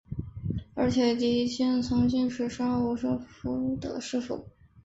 而铁笛仙曾经是杀无生的师父。